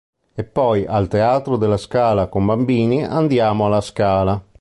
È poi al "Teatro della Scala" con "Bambini andiamo alla Scala!